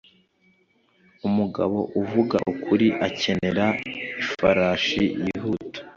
Umugabo uvuga ukuri akenera ifarashi yihuta.